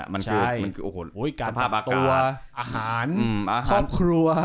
มันคือสภาพอากาศอาหารครอบครัว